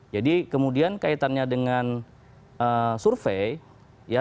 jadi kemudian kaitannya dengan survei ya survei ini kan ambillah satu lima ratus dua tiga random sampling acara